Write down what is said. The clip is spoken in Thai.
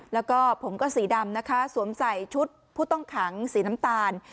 แล้วก็ผมก็สีดำนะคะสวมใส่ชุดผู้ต้องขังสีน้ำตาล